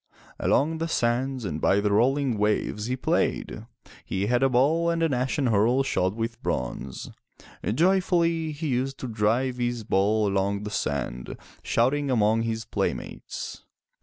Along the sands and by the rolling waves he played. He had a ball and an ashen hurle shod with bronze. Joyfully he used to drive his ball along the sand, shouting among his playmates.